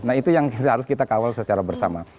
nah itu yang harus kita kawal secara bersama